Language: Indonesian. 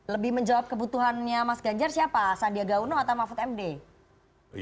jadi menjawab kebutuhannya mas ganjar siapa sandiaga uno atau mahfud md